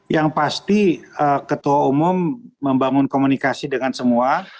yang pasti ketua umum membangun komunikasi dengan semua